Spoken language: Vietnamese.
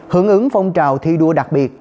hưởng ứng phong trào thi đua đặc biệt